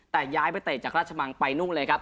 แต่ย้ายไปเตะจากราชมังไปนุ่งเลยครับ